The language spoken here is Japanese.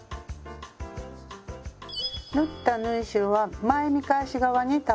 縫った縫い代は前見返し側に倒します。